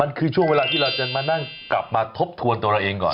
มันคือช่วงเวลาที่เราจะมานั่งกลับมาทบทวนตัวเราเองก่อน